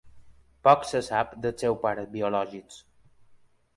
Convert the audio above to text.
Poc se sap dels seus pares biològics.